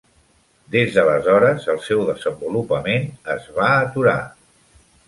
Des d'aleshores, el seu desenvolupament es va aturar.